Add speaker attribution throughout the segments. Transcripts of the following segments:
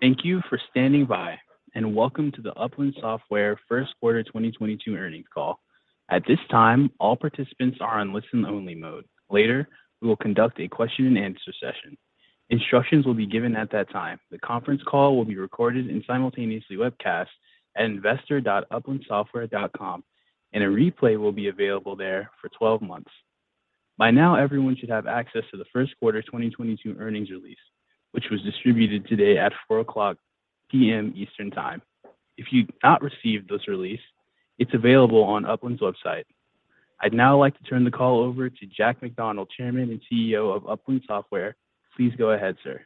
Speaker 1: Thank you for standing by, and welcome to the Upland Software first quarter 2022 earnings call. At this time, all participants are in listen only mode. Later, we will conduct a question and answer session. Instructions will be given at that time. The conference call will be recorded and simultaneously webcast at investor.uplandsoftware.com, and a replay will be available there for 12 months. By now, everyone should have access to the first quarter 2022 earnings release, which was distributed today at 4:00 PM. Eastern Time. If you've not received this release, it's available on Upland's website. I'd now like to turn the call over to Jack McDonald, Chairman and CEO of Upland Software. Please go ahead, sir.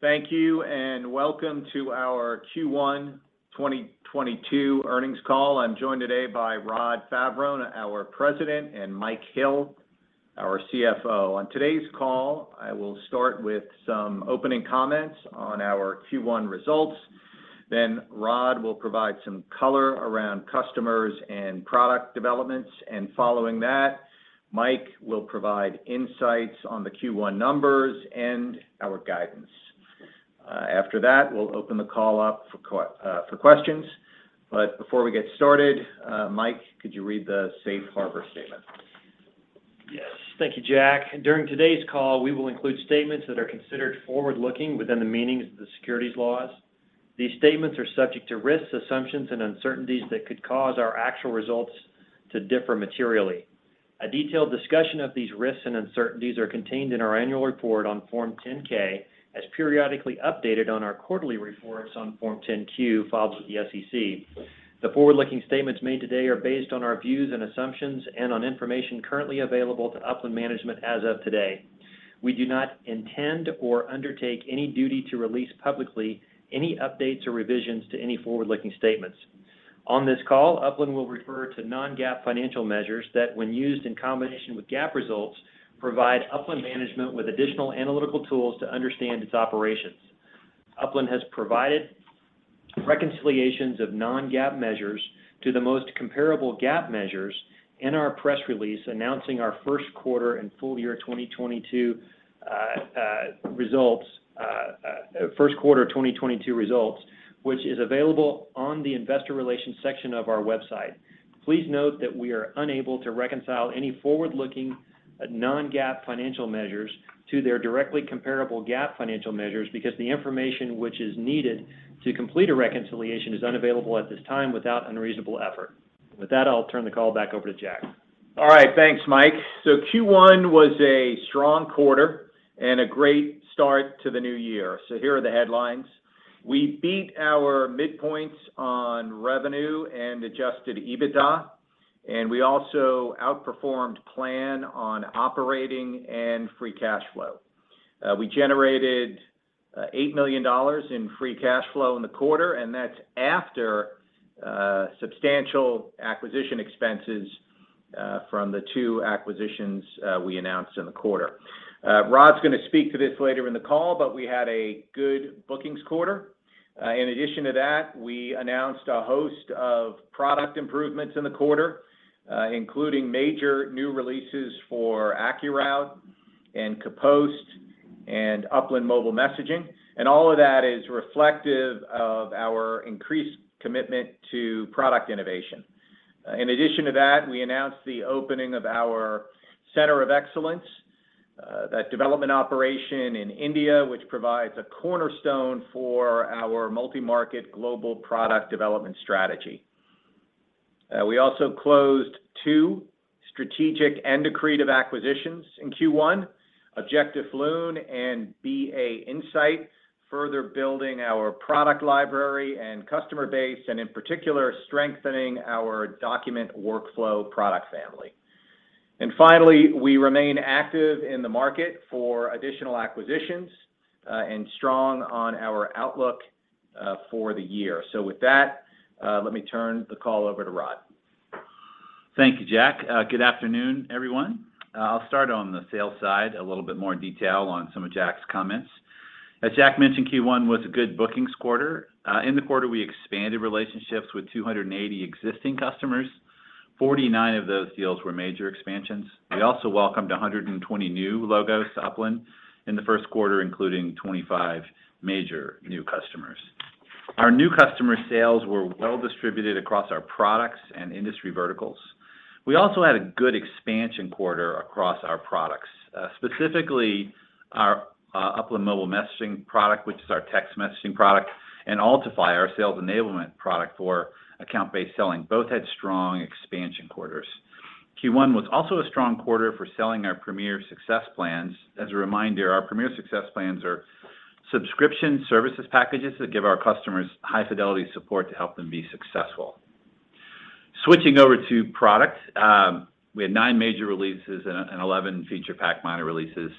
Speaker 2: Thank you, and welcome to our Q1 2022 earnings call. I'm joined today by Rod Favaron, our President, and Mike Hill, our CFO. On today's call, I will start with some opening comments on our Q1 results. Then Rod will provide some color around customers and product developments. Following that, Mike will provide insights on the Q1 numbers and our guidance. After that, we'll open the call up for questions. Before we get started, Mike, could you read the safe harbor statement?
Speaker 3: Yes. Thank you, Jack. During today's call, we will include statements that are considered forward-looking within the meanings of the securities laws. These statements are subject to risks, assumptions, and uncertainties that could cause our actual results to differ materially. A detailed discussion of these risks and uncertainties are contained in our annual report on Form 10-K, as periodically updated on our quarterly reports on Form 10-Q filed with the SEC. The forward-looking statements made today are based on our views and assumptions and on information currently available to Upland management as of today. We do not intend or undertake any duty to release publicly any updates or revisions to any forward-looking statements. On this call, Upland will refer to non-GAAP financial measures that, when used in combination with GAAP results, provide Upland management with additional analytical tools to understand its operations. Upland has provided reconciliations of non-GAAP measures to the most comparable GAAP measures in our press release announcing our first quarter and full year 2022 results, which is available on the investor relations section of our website. Please note that we are unable to reconcile any forward-looking non-GAAP financial measures to their directly comparable GAAP financial measures because the information which is needed to complete a reconciliation is unavailable at this time without unreasonable effort. With that, I'll turn the call back over to Jack.
Speaker 2: All right. Thanks, Mike. Q1 was a strong quarter and a great start to the new year. Here are the headlines. We beat our midpoints on revenue and adjusted EBITDA, and we also outperformed plan on operating and free cash flow. We generated $8 million in free cash flow in the quarter, and that's after substantial acquisition expenses from the two acquisitions we announced in the quarter. Rod's gonna speak to this later in the call, but we had a good bookings quarter. In addition to that, we announced a host of product improvements in the quarter, including major new releases for AccuRoute and Kapost and Upland Mobile Messaging. All of that is reflective of our increased commitment to product innovation. In addition to that, we announced the opening of our Center of Excellence, that development operation in India, which provides a cornerstone for our multi-market global product development strategy. We also closed two strategic and accretive acquisitions in Q1, Objectif Lune and BA Insight, further building our product library and customer base, and in particular, strengthening our document workflow product family. Finally, we remain active in the market for additional acquisitions, and strong on our outlook, for the year. With that, let me turn the call over to Rod.
Speaker 4: Thank you, Jack. Good afternoon, everyone. I'll start on the sales side, a little bit more detail on some of Jack's comments. As Jack mentioned, Q1 was a good bookings quarter. In the quarter, we expanded relationships with 280 existing customers. 49 of those deals were major expansions. We also welcomed 120 new logos to Upland in the first quarter, including 25 major new customers. Our new customer sales were well distributed across our products and industry verticals. We also had a good expansion quarter across our products, specifically our Upland Mobile Messaging product, which is our text messaging product, and Altify, our sales enablement product for account-based selling. Both had strong expansion quarters. Q1 was also a strong quarter for selling our Premier Success Plans. As a reminder, our Premier Success Plans are subscription services packages that give our customers high-fidelity support to help them be successful. Switching over to product, we had nine major releases and 11 feature pack minor releases.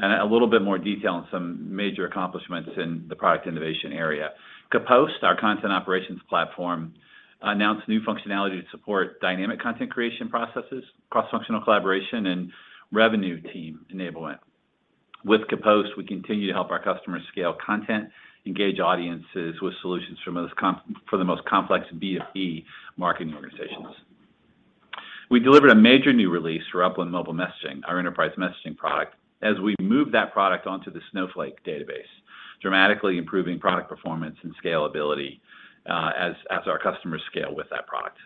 Speaker 4: A little bit more detail on some major accomplishments in the product innovation area. Kapost, our content operations platform, announced new functionality to support dynamic content creation processes, cross-functional collaboration, and revenue team enablement. With Kapost, we continue to help our customers scale content, engage audiences with solutions for the most complex B2B marketing organizations. We delivered a major new release for Upland Mobile Messaging, our enterprise messaging product, as we moved that product onto the Snowflake database, dramatically improving product performance and scalability, as our customers scale with that product.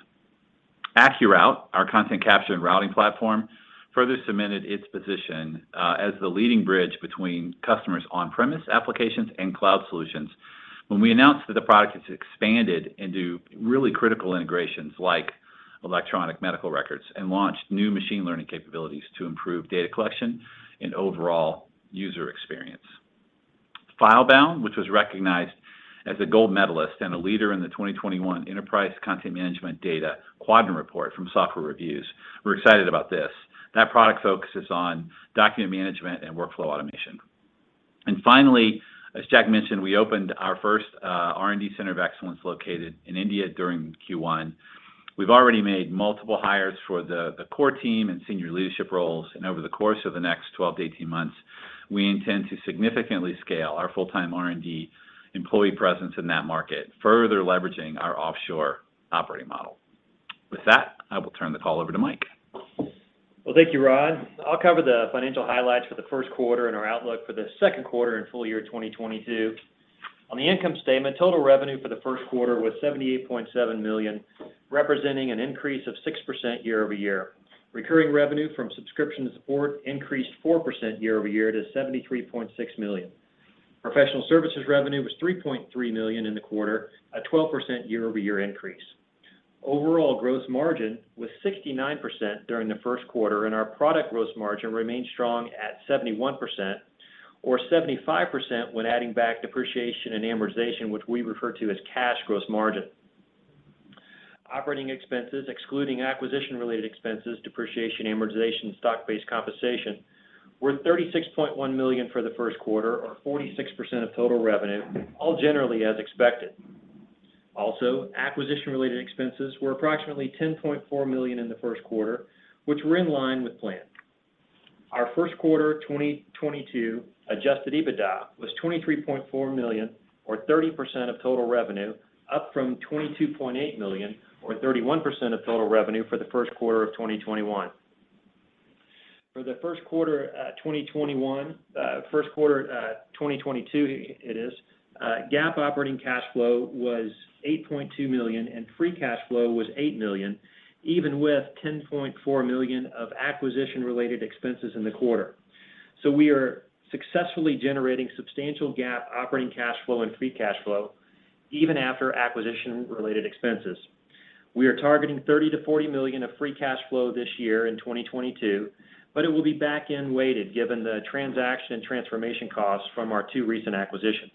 Speaker 4: AccuRoute, our content capture and routing platform, further cemented its position as the leading bridge between customers' on-premise applications and cloud solutions when we announced that the product has expanded into really critical integrations like electronic medical records and launched new machine learning capabilities to improve data collection and overall user experience. FileBound, which was recognized as a gold medalist and a leader in the 2021 Enterprise Content Management Data Quadrant Report from SoftwareReviews. We're excited about this. That product focuses on document management and workflow automation. Finally, as Jack mentioned, we opened our first R&D center of excellence located in India during Q1. We've already made multiple hires for the core team and senior leadership roles, and over the course of the next 12-18 months, we intend to significantly scale our full-time R&D employee presence in that market, further leveraging our offshore operating model. With that, I will turn the call over to Mike.
Speaker 3: Well, thank you, Rod. I'll cover the financial highlights for the first quarter and our outlook for the second quarter and full year 2022. On the income statement, total revenue for the first quarter was $78.7 million, representing an increase of 6% year-over-year. Recurring revenue from subscription and support increased 4% year-over-year to $73.6 million. Professional services revenue was $3.3 million in the quarter, a 12% year-over-year increase. Overall gross margin was 69% during the first quarter, and our product gross margin remained strong at 71% or 75% when adding back depreciation and amortization, which we refer to as cash gross margin. Operating expenses excluding acquisition-related expenses, depreciation, amortization, stock-based compensation were $36.1 million for the first quarter or 46% of total revenue, all generally as expected. Also, acquisition-related expenses were approximately $10.4 million in the first quarter, which were in line with plan. Our first quarter 2022 adjusted EBITDA was $23.4 million or 30% of total revenue, up from $22.8 million or 31% of total revenue for the first quarter of 2021. For the first quarter 2022, GAAP operating cash flow was $8.2 million, and free cash flow was $8 million, even with $10.4 million of acquisition-related expenses in the quarter. We are successfully generating substantial GAAP operating cash flow and free cash flow even after acquisition-related expenses. We are targeting $30 million-$40 million of free cash flow this year in 2022, but it will be back-end weighted given the transaction and transformation costs from our two recent acquisitions.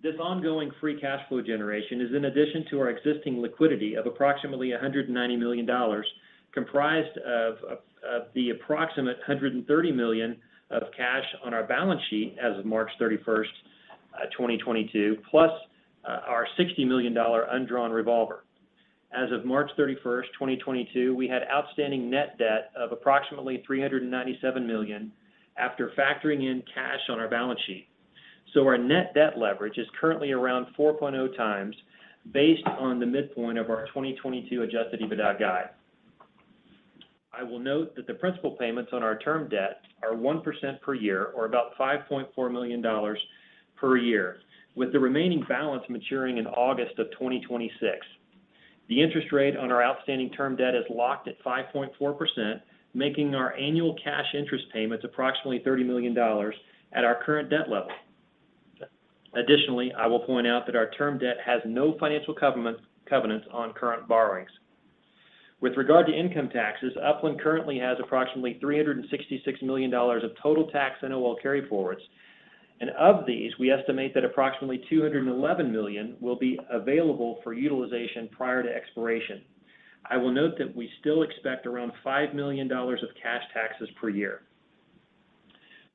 Speaker 3: This ongoing free cash flow generation is in addition to our existing liquidity of approximately $190 million, comprised of the approximate $130 million of cash on our balance sheet as of March 31, 2022, plus our $60 million undrawn revolver. As of March 31, 2022, we had outstanding net debt of approximately $397 million after factoring in cash on our balance sheet. Our net debt leverage is currently around 4.0x based on the midpoint of our 2022 adjusted EBITDA guide. I will note that the principal payments on our term debt are 1% per year or about $5.4 million per year, with the remaining balance maturing in August of 2026. The interest rate on our outstanding term debt is locked at 5.4%, making our annual cash interest payments approximately $30 million at our current debt level. Additionally, I will point out that our term debt has no financial covenants on current borrowings. With regard to income taxes, Upland currently has approximately $366 million of total tax NOL carryforwards. Of these, we estimate that approximately $211 million will be available for utilization prior to expiration. I will note that we still expect around $5 million of cash taxes per year.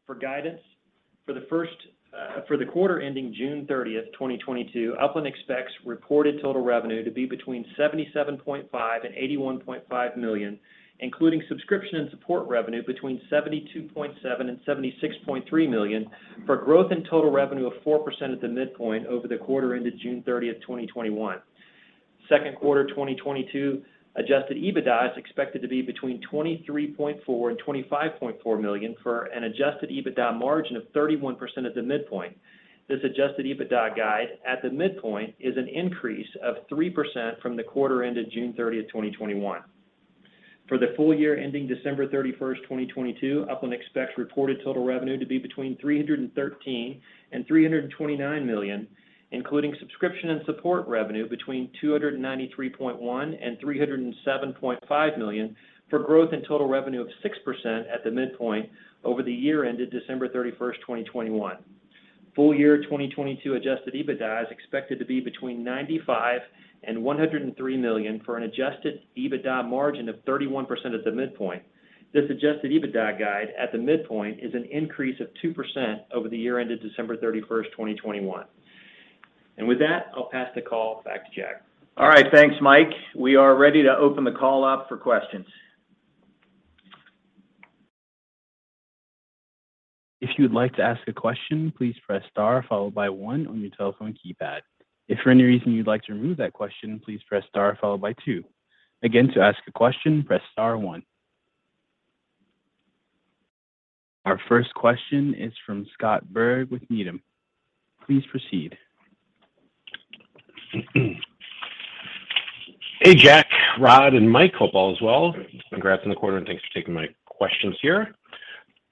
Speaker 3: For guidance, for the quarter ending June 13th, 2022, Upland expects reported total revenue to be between $77.5 million and $81.5 million, including subscription and support revenue between $72.7 million and $76.3 million for growth in total revenue of 4% at the midpoint over the quarter ended June 13th, 2021. Second quarter 2022 adjusted EBITDA is expected to be between $23.4 million and $25.4 million for an adjusted EBITDA margin of 31% at the midpoint. This adjusted EBITDA guide at the midpoint is an increase of 3% from the quarter ended June 13th, 2021. For the full year ending December thirty-first, 2022, Upland expects reported total revenue to be between $313 million and $329 million, including subscription and support revenue between $293.1 million and $307.5 million for growth in total revenue of 6% at the midpoint over the year ended December thirty-first, 2021. Full year 2022 adjusted EBITDA is expected to be between $95 million and $103 million for an adjusted EBITDA margin of 31% at the midpoint. This adjusted EBITDA guide at the midpoint is an increase of 2% over the year ended December thirty-first, 2021. With that, I'll pass the call back to Jack.
Speaker 2: All right. Thanks, Mike. We are ready to open the call up for questions.
Speaker 1: If you would like to ask a question, please press star followed by one on your telephone keypad. If for any reason you'd like to remove that question, please press star followed by two. Again, to ask a question, press star one. Our first question is from Scott Berg with Needham. Please proceed.
Speaker 5: Hey, Jack, Rod, and Mike. Hope all is well. Congrats on the quarter, and thanks for taking my questions here.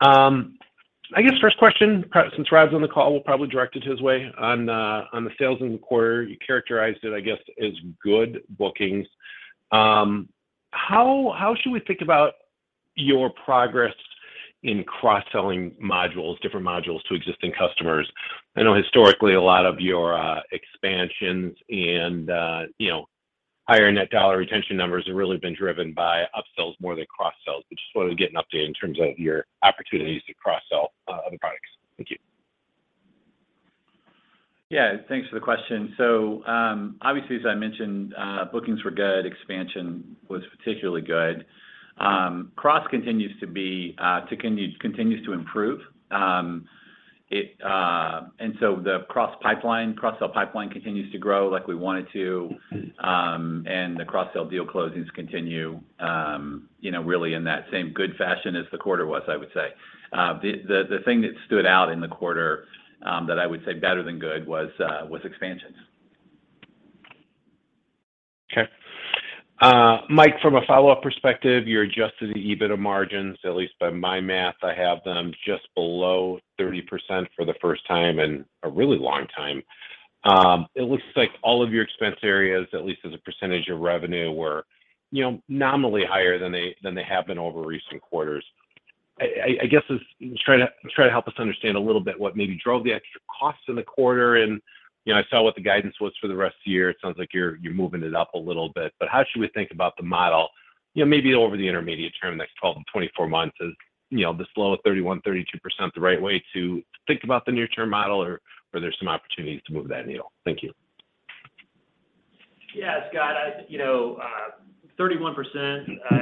Speaker 5: I guess first question, since Rod's on the call, we'll probably direct it to his way. On the sales in the quarter, you characterized it, I guess, as good bookings. How should we think about your progress in cross-selling modules, different modules to existing customers? I know historically a lot of your expansions and, you know, higher net dollar retention numbers have really been driven by upsells more than cross-sells. We just wanted to get an update in terms of your opportunities to cross-sell other products. Thank you.
Speaker 4: Yeah. Thanks for the question. So, obviously, as I mentioned, bookings were good. Expansion was particularly good. Cross continues to improve. It, the cross pipeline, cross-sell pipeline continues to grow like we want it to. And the cross-sell deal closings continue, you know, really in that same good fashion as the quarter was, I would say. The thing that stood out in the quarter that I would say better than good was expansions.
Speaker 5: Okay. Mike, from a follow-up perspective, your adjusted EBITDA margins, at least by my math, I have them just below 30% for the first time in a really long time. It looks like all of your expense areas, at least as a percentage of revenue, were, you know, nominally higher than they have been over recent quarters. I guess just try to help us understand a little bit what maybe drove the extra costs in the quarter and, you know, I saw what the guidance was for the rest of the year. It sounds like you're moving it up a little bit. How should we think about the model, you know, maybe over the intermediate term, the next 12-24 months? Is, you know, this low of 31%-32% the right way to think about the near-term model, or are there some opportunities to move that needle? Thank you.
Speaker 3: Yeah. Scott, you know, 31%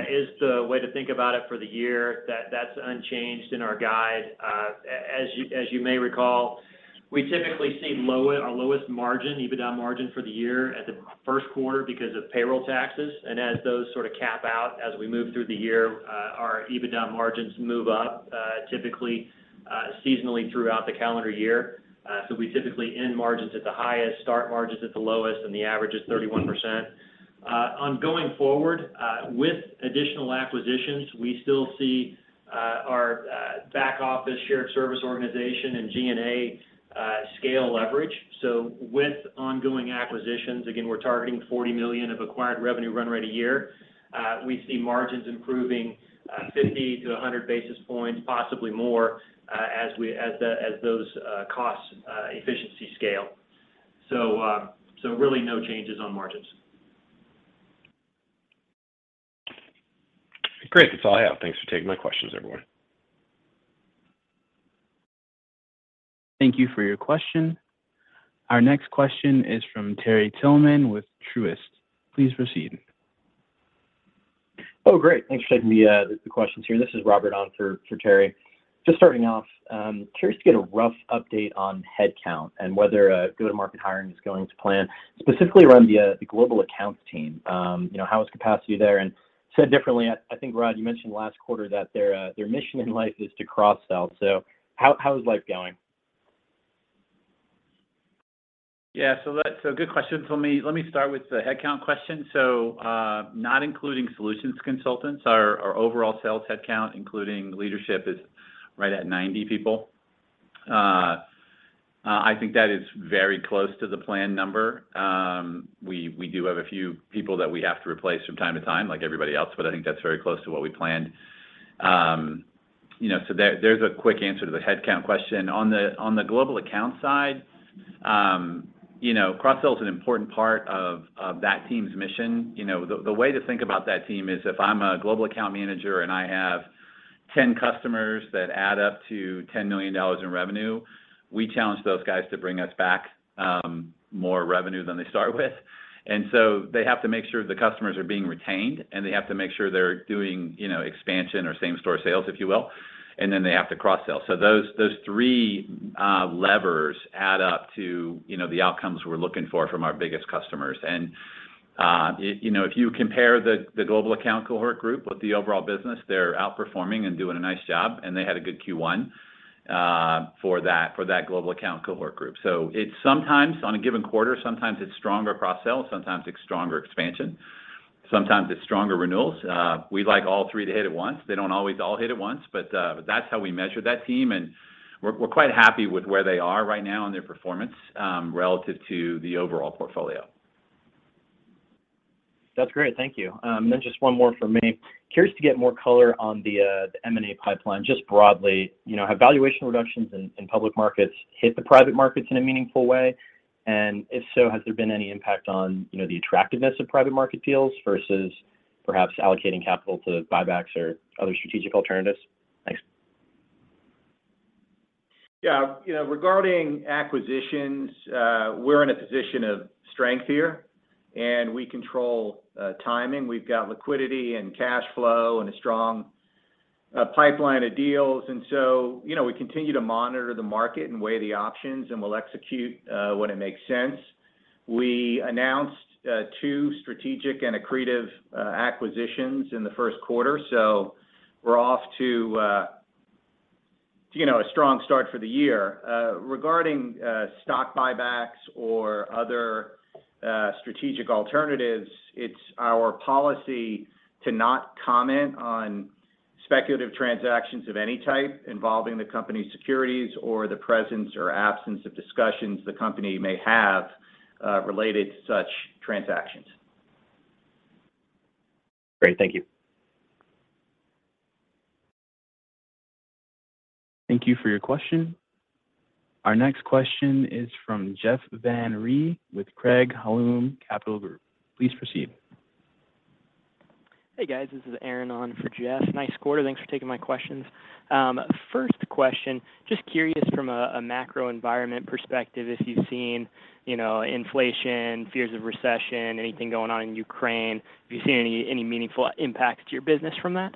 Speaker 3: is the way to think about it for the year. That's unchanged in our guide. As you may recall, we typically see our lowest margin, EBITDA margin for the year at the first quarter because of payroll taxes. As those sort of cap out as we move through the year, our EBITDA margins move up, typically, seasonally throughout the calendar year. We typically end margins at the highest, start margins at the lowest, and the average is 31%. Going forward, with additional acquisitions, we still see our back office shared service organization and G&A scale leverage. With ongoing acquisitions, again, we're targeting $40 million of acquired revenue run rate a year. We see margins improving 50-100 basis points, possibly more, as those cost efficiencies scale. Really no changes on margins.
Speaker 5: Great. That's all I have. Thanks for taking my questions, everyone.
Speaker 1: Thank you for your question. Our next question is from Terry Tillman with Truist. Please proceed.
Speaker 6: Oh, great. Thanks for taking the questions here. This is Robert on for Terry. Just starting off, curious to get a rough update on headcount and whether go-to-market hiring is going to plan, specifically around the global accounts team. You know, how is capacity there? Said differently, I think, Rod, you mentioned last quarter that their mission in life is to cross-sell. How is life going?
Speaker 4: Yeah. Good question. Let me start with the headcount question. Not including solutions consultants, our overall sales headcount, including leadership, is right at 90 people. I think that is very close to the planned number. We do have a few people that we have to replace from time to time, like everybody else, but I think that's very close to what we planned. You know, there's a quick answer to the headcount question. On the global account side, you know, cross-sell is an important part of that team's mission. You know, the way to think about that team is if I'm a global account manager and I have 10 customers that add up to $10 million in revenue, we challenge those guys to bring us back more revenue than they start with. They have to make sure the customers are being retained, and they have to make sure they're doing, you know, expansion or same-store sales, if you will, and then they have to cross-sell. Those three levers add up to, you know, the outcomes we're looking for from our biggest customers. You know, if you compare the global account cohort group with the overall business, they're outperforming and doing a nice job, and they had a good Q1 for that global account cohort group. It's sometimes, on a given quarter, sometimes it's stronger cross-sell, sometimes it's stronger expansion, sometimes it's stronger renewals. We like all three to hit at once. They don't always all hit at once, but that's how we measure that team, and we're quite happy with where they are right now and their performance relative to the overall portfolio.
Speaker 7: That's great. Thank you. Then just one more from me. Curious to get more color on the M&A pipeline, just broadly. You know, have valuation reductions in public markets hit the private markets in a meaningful way? And if so, has there been any impact on, you know, the attractiveness of private market deals versus perhaps allocating capital to buybacks or other strategic alternatives? Thanks.
Speaker 2: Yeah. You know, regarding acquisitions, we're in a position of strength here, and we control timing. We've got liquidity and cash flow and a strong pipeline of deals. You know, we continue to monitor the market and weigh the options, and we'll execute when it makes sense. We announced two strategic and accretive acquisitions in the first quarter, so we're off to a strong start for the year. Regarding stock buybacks or other strategic alternatives, it's our policy to not comment on speculative transactions of any type involving the company's securities or the presence or absence of discussions the company may have related to such transactions.
Speaker 7: Great. Thank you.
Speaker 1: Thank you for your question. Our next question is from Jeff Van Rhee with Craig-Hallum Capital Group. Please proceed.
Speaker 8: Hey, guys. This is Aaron on for Jeff. Nice quarter. Thanks for taking my questions. First question, just curious from a macro environment perspective, if you've seen, you know, inflation, fears of recession, anything going on in Ukraine, have you seen any meaningful impact to your business from that?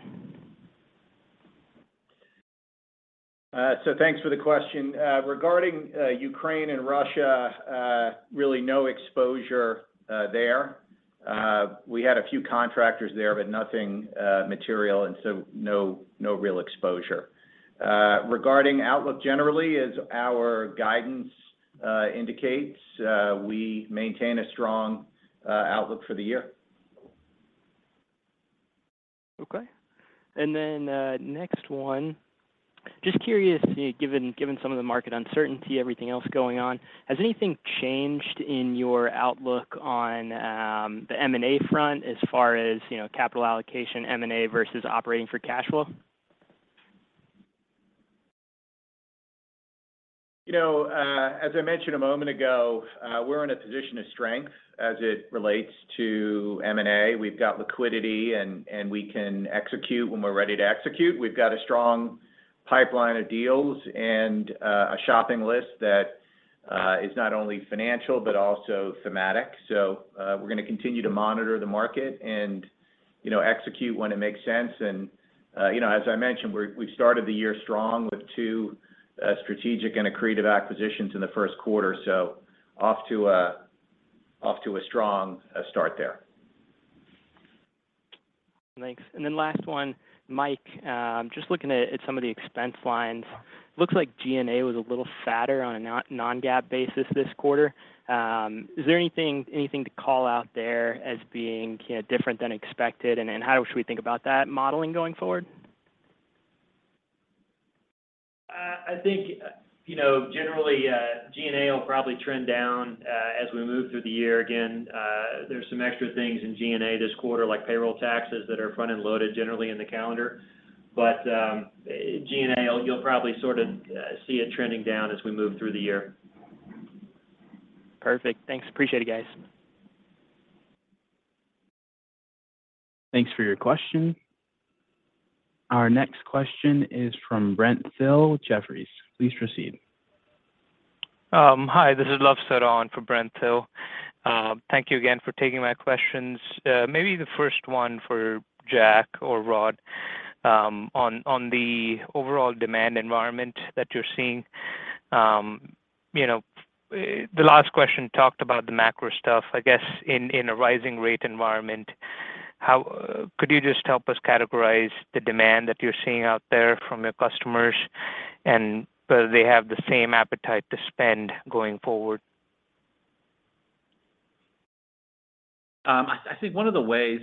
Speaker 2: Thanks for the question. Regarding Ukraine and Russia, really no exposure there. We had a few contractors there, but nothing material, no real exposure. Regarding outlook generally, as our guidance indicates, we maintain a strong outlook for the year.
Speaker 8: Okay. Next one, just curious, given some of the market uncertainty, everything else going on, has anything changed in your outlook on the M&A front as far as, you know, capital allocation, M&A versus operating for cash flow?
Speaker 2: You know, as I mentioned a moment ago, we're in a position of strength as it relates to M&A. We've got liquidity and we can execute when we're ready to execute. We've got a strong pipeline of deals and a shopping list that is not only financial but also thematic. We're gonna continue to monitor the market and, you know, execute when it makes sense. You know, as I mentioned, we've started the year strong with two strategic and accretive acquisitions in the first quarter, so off to a strong start there.
Speaker 8: Thanks. Last one, Mike, just looking at some of the expense lines, looks like G&A was a little fatter on a non-GAAP basis this quarter. Is there anything to call out there as being, you know, different than expected? How should we think about that modeling going forward?
Speaker 3: I think, you know, generally, G&A will probably trend down, as we move through the year. Again, there's some extra things in G&A this quarter, like payroll taxes that are front-end loaded generally in the calendar. G&A, you'll probably sort of, see it trending down as we move through the year.
Speaker 8: Perfect. Thanks. Appreciate it, guys.
Speaker 1: Thanks for your question. Our next question is from Brent Thill, Jefferies. Please proceed.
Speaker 9: Hi, this is Luv Seth on for Brent Thill. Thank you again for taking my questions. Maybe the first one for Jack or Rod, on the overall demand environment that you're seeing. You know, the last question talked about the macro stuff. I guess in a rising rate environment, could you just help us categorize the demand that you're seeing out there from your customers, and do they have the same appetite to spend going forward?
Speaker 4: I think one of the ways,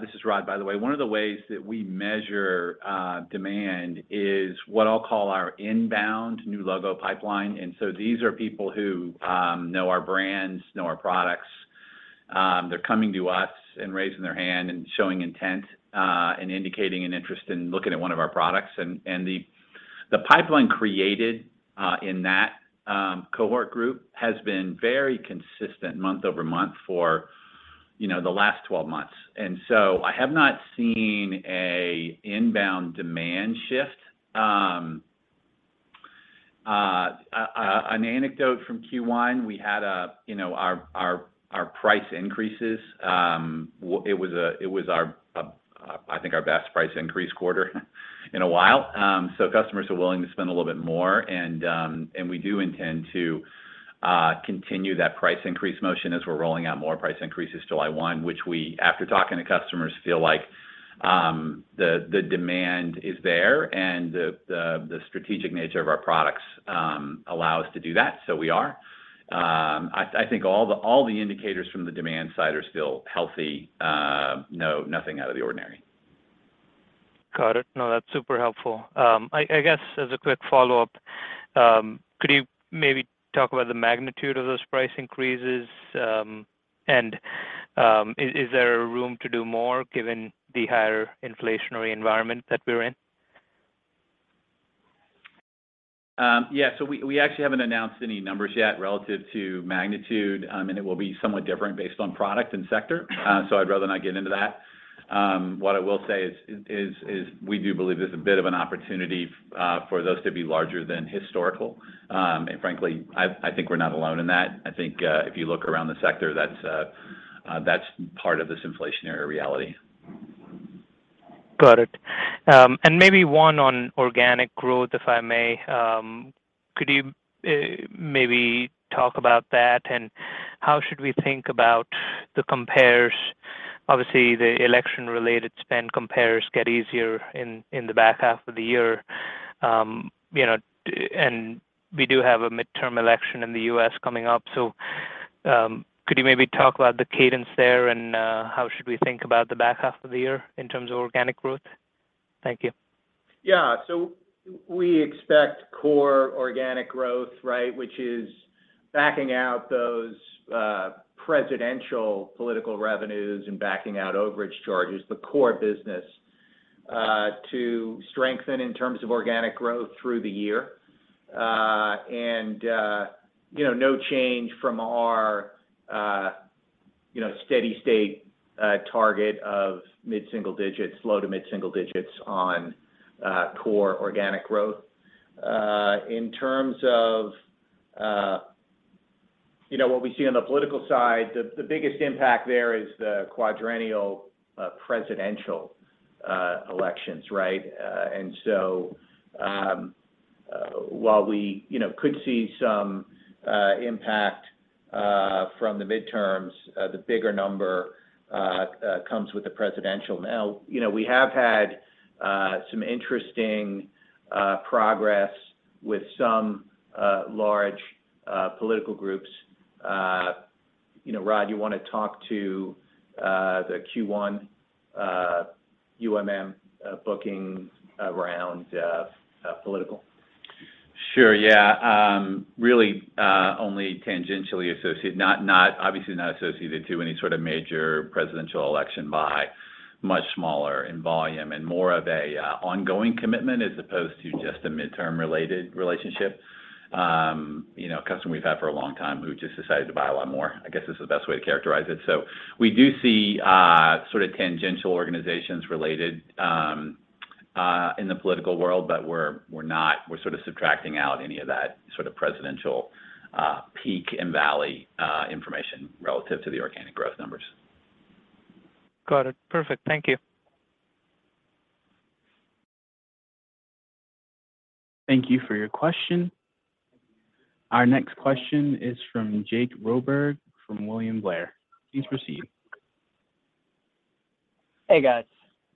Speaker 4: this is Rod, by the way. One of the ways that we measure demand is what I'll call our inbound new logo pipeline. These are people who know our brands, know our products. They're coming to us and raising their hand and showing intent and indicating an interest in looking at one of our products. The pipeline created in that cohort group has been very consistent month-over-month for, you know, the last 12 months. I have not seen an inbound demand shift. An anecdote from Q1, we had a, you know, our price increases. It was, I think, our best price increase quarter in a while.
Speaker 2: Customers are willing to spend a little bit more and we do intend to continue that price increase motion as we're rolling out more price increases July one, which we, after talking to customers, feel like the strategic nature of our products allow us to do that, so we are. I think all the indicators from the demand side are still healthy. No, nothing out of the ordinary.
Speaker 9: Got it. No, that's super helpful. I guess as a quick follow-up, could you maybe talk about the magnitude of those price increases? Is there room to do more given the higher inflationary environment that we're in?
Speaker 4: Yeah, we actually haven't announced any numbers yet relative to magnitude, and it will be somewhat different based on product and sector. I'd rather not get into that. What I will say is we do believe there's a bit of an opportunity for those to be larger than historical. Frankly, I think we're not alone in that. I think if you look around the sector, that's part of this inflationary reality.
Speaker 9: Got it. Maybe one on organic growth, if I may. Could you maybe talk about that, and how should we think about the compares? Obviously, the election-related spend compares get easier in the back half of the year. You know, we do have a midterm election in the U.S. coming up, so could you maybe talk about the cadence there and how should we think about the back half of the year in terms of organic growth? Thank you.
Speaker 2: Yeah, we expect core organic growth, right, which is backing out those presidential political revenues and backing out overage charges, the core business to strengthen in terms of organic growth through the year. You know, no change from our you know, steady-state target of mid-single digits, low to mid-single digits on core organic growth. In terms of you know, what we see on the political side, the biggest impact there is the quadrennial presidential elections, right? While we you know, could see some impact from the midterms, the bigger number comes with the presidential. Now, you know, we have had some interesting progress with some large political groups.
Speaker 4: You know, Rod, you wanna talk to the Q1 UMM bookings around political? Sure. Yeah. Really only tangentially associated, obviously not associated to any sort of major presidential election but much smaller in volume and more of a ongoing commitment as opposed to just a midterm-related relationship. You know, a customer we've had for a long time who just decided to buy a lot more, I guess, is the best way to characterize it. We do see sort of tangential organizations related in the political world, but we're not. We're sort of subtracting out any of that sort of presidential peak and valley information relative to the organic growth numbers.
Speaker 9: Got it. Perfect. Thank you.
Speaker 1: Thank you for your question. Our next question is from Jake Roberge from William Blair. Please proceed.
Speaker 10: Hey, guys.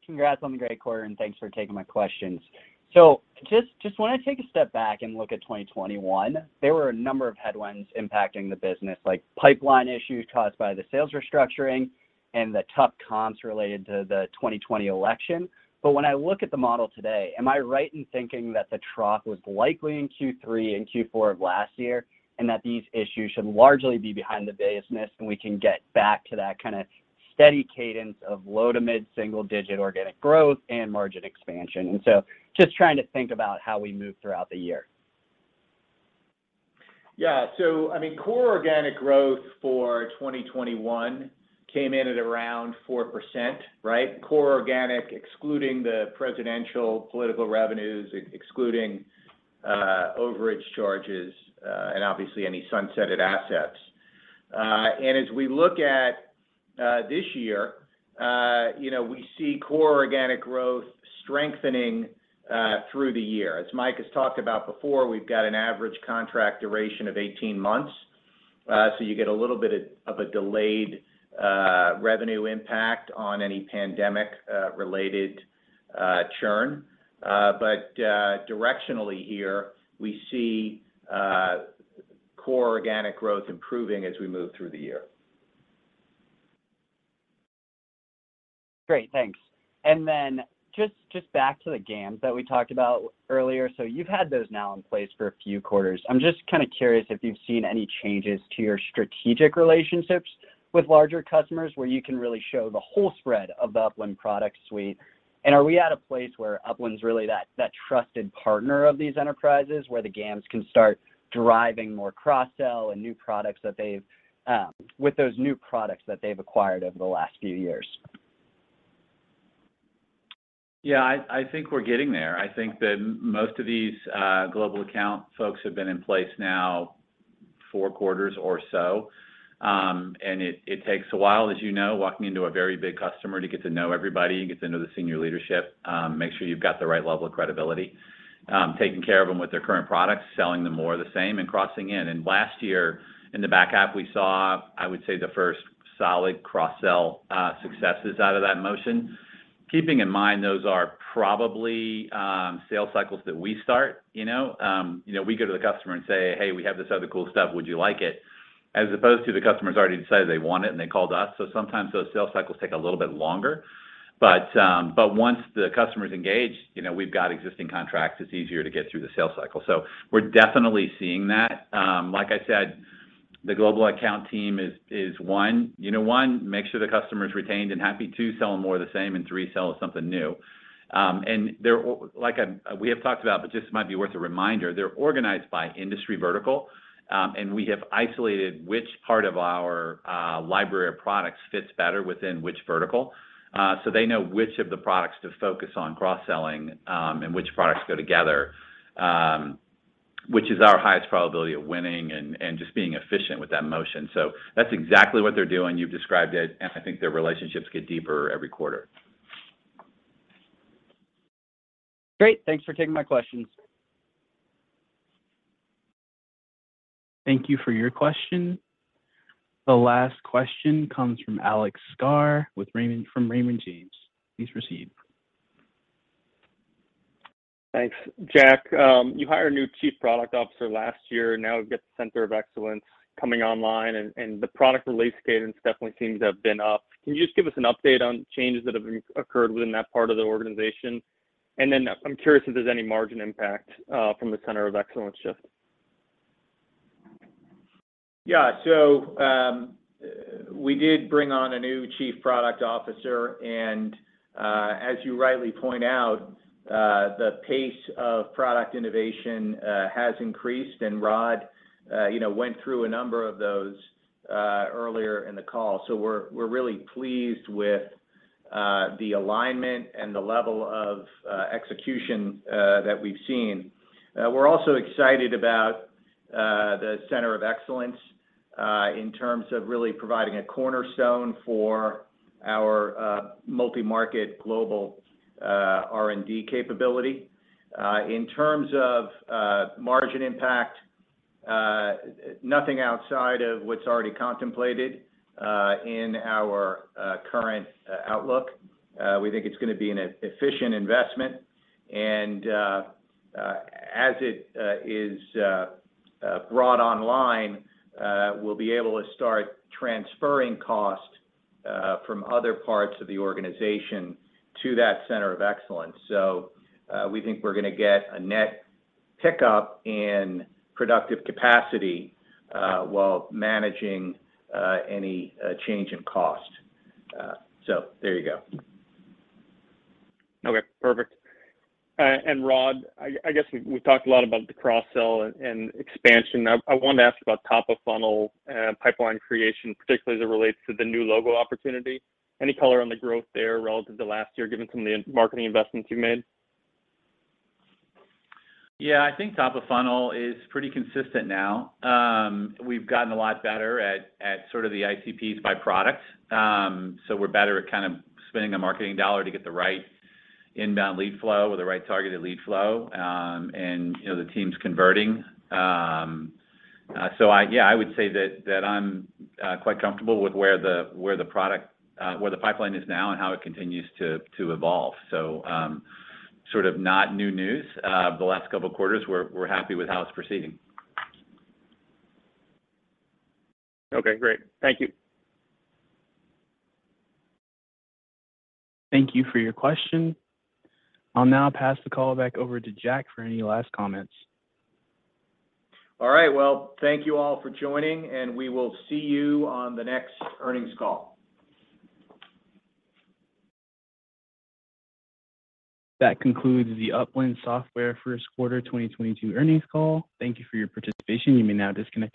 Speaker 10: Congrats on the great quarter, and thanks for taking my questions. Just wanna take a step back and look at 2021. There were a number of headwinds impacting the business, like pipeline issues caused by the sales restructuring and the tough comps related to the 2020 election. When I look at the model today, am I right in thinking that the trough was likely in Q3 and Q4 of last year, and that these issues should largely be behind the business, and we can get back to that kinda steady cadence of low to mid-single digit organic growth and margin expansion? Just trying to think about how we move throughout the year.
Speaker 2: Yeah. I mean, core organic growth for 2021 came in at around 4%, right? Core organic, excluding the presidential political revenues, excluding overage charges, and obviously any sunsetted assets. As we look at this year, you know, we see core organic growth strengthening through the year. As Mike has talked about before, we've got an average contract duration of 18 months, so you get a little bit of a delayed revenue impact on any pandemic-related churn. Directionally here, we see core organic growth improving as we move through the year.
Speaker 10: Great. Thanks. Just back to the GAMS that we talked about earlier. You've had those now in place for a few quarters. I'm just kinda curious if you've seen any changes to your strategic relationships with larger customers where you can really show the whole spread of the Upland product suite. Are we at a place where Upland's really that trusted partner of these enterprises, where the GAMS can start driving more cross-sell and new products with those new products that they've acquired over the last few years?
Speaker 4: Yeah, I think we're getting there. I think that most of these global account folks have been in place now four quarters or so. It takes a while, as you know, walking into a very big customer to get to know everybody, get to know the senior leadership, make sure you've got the right level of credibility, taking care of them with their current products, selling them more of the same, and crossing in. Last year, in the back half, we saw, I would say, the first solid cross-sell successes out of that motion. Keeping in mind those are probably sales cycles that we start, you know. You know, we go to the customer and say, "Hey, we have this other cool stuff.
Speaker 2: Would you like it?" As opposed to the customer's already decided they want it, and they called us. Sometimes those sales cycles take a little bit longer. Once the customer's engaged, you know, we've got existing contracts, it's easier to get through the sales cycle. We're definitely seeing that. Like I said, the global account team is one. You know, one, make sure the customer is retained and happy. Two, sell them more of the same. And three, sell something new. They're like we have talked about, but just might be worth a reminder, they're organized by industry vertical, and we have isolated which part of our library of products fits better within which vertical. They know which of the products to focus on cross-selling, and which products go together, which is our highest probability of winning and just being efficient with that motion. That's exactly what they're doing. You've described it, and I think their relationships get deeper every quarter.
Speaker 10: Great. Thanks for taking my questions.
Speaker 1: Thank you for your question. The last question comes from Alex Sklar with Raymond James. Please proceed.
Speaker 11: Thanks. Jack, you hired a new chief product officer last year. Now we've got the Center of Excellence coming online and the product release cadence definitely seems to have been up. Can you just give us an update on changes that have occurred within that part of the organization? Then I'm curious if there's any margin impact from the Center of Excellence shift.
Speaker 2: Yeah. We did bring on a new chief product officer, and as you rightly point out, the pace of product innovation has increased. Rod, you know, went through a number of those earlier in the call. We're really pleased with the alignment and the level of execution that we've seen. We're also excited about the Center of Excellence in terms of really providing a cornerstone for our multi-market global R&D capability. In terms of margin impact, nothing outside of what's already contemplated in our current outlook. We think it's gonna be an efficient investment and as it is brought online, we'll be able to start transferring costs from other parts of the organization to that Center of Excellence. We think we're gonna get a net pickup in productive capacity while managing any change in cost. There you go.
Speaker 11: Okay, perfect. Rod, I guess we've talked a lot about the cross-sell and expansion. I want to ask about top of funnel and pipeline creation, particularly as it relates to the new logo opportunity. Any color on the growth there relative to last year, given some of the marketing investments you've made?
Speaker 4: Yeah, I think top of funnel is pretty consistent now. We've gotten a lot better at sort of the ICPs by product. We're better at kind of spending a marketing dollar to get the right inbound lead flow or the right targeted lead flow, and you know, the team's converting. Yeah, I would say that I'm quite comfortable with where the pipeline is now and how it continues to evolve. Sort of not new news the last couple of quarters. We're happy with how it's proceeding.
Speaker 11: Okay, great. Thank you.
Speaker 1: Thank you for your question. I'll now pass the call back over to Jack for any last comments.
Speaker 2: All right. Well, thank you all for joining, and we will see you on the next earnings call.
Speaker 1: That concludes the Upland Software first quarter 2022 earnings call. Thank you for your participation. You may now disconnect your-